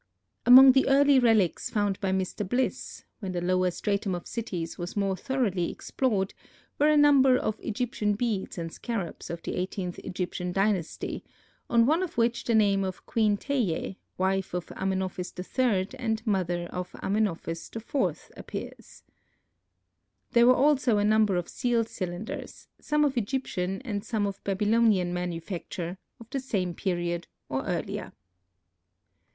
Among the early relics found by Mr. Bliss, when the lower stratum of cities was more thoroughly explored, were a number of Egyptian beads and scarabs of the eighteenth Egyptian dynasty, on one of which the name of Queen Teie, wife of Amenophis III and mother of Amenophis IV, appears. There were also a number of seal cylinders, some of Egyptian and some of Babylonian manufacture, of the same period or earlier.